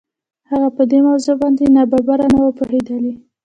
هغه په دې موضوع باندې ناببره نه و پوهېدلی.